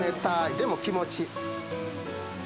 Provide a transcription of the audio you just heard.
でも気持ちいい。